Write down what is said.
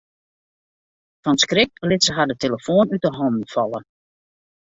Fan skrik lit se har de telefoan út 'e hannen falle.